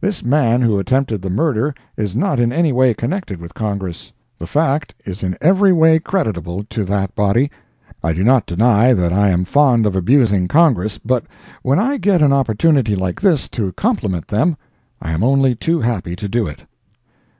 This man who attempted the murder is not in any way connected with Congress. The fact is in every way creditable to that body. I do not deny that I am fond of abusing Congress, but when I get an opportunity like this to compliment them, I am only too happy to do it.